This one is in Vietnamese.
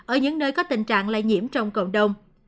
ở những nơi có tình trạng lây nhiễm trong cộng đồng